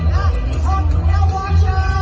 มันเป็นเมื่อไหร่แล้ว